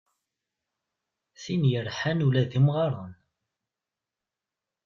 Tin yerḥan ula d imɣaren.